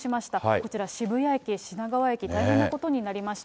こちら、渋谷駅、品川駅、大変なことになりました。